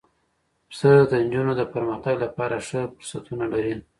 پسه د نجونو د پرمختګ لپاره ښه فرصتونه لري.